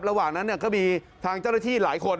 ระหว่างนั้นน่ะก็มีทางเจ้าระชี้หลายคน